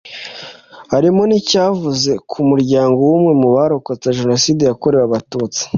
harimo n’icyavuze ku muryango w’umwe mu barokotse Jenoside yakorewe Abatutsi